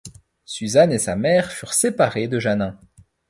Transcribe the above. Suzanne et sa mère furent séparée de Jannin.